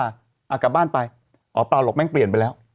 ไอล่ะกลับบ้านไปโอ้เปล่าหรอกเปลี่ยนไปครับ